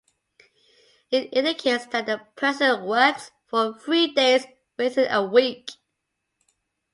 It indicates that the person works for three days within a week.